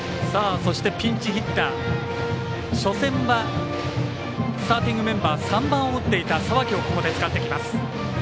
そしてピンチヒッター初戦はスターティングメンバー３番を打っていた佐脇をここで使ってきます。